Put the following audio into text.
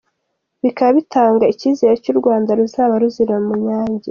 Bikaba bitanga ikizere cy’u Rwanda ruzaza ruzira munyangire.